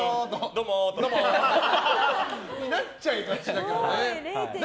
とそうなっちゃいがちだけどね。